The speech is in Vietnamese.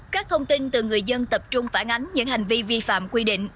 các thông tin từ người dân tập trung phản ánh những hành vi vi phạm quy định